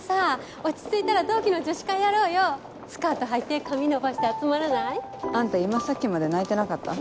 落ち着いたら同期のスカートはいて髪伸ばして集まらないあんた今さっきまで泣いてなかった？